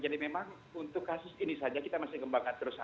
jadi memang untuk kasus ini saja kita masih mengembangkan terus saja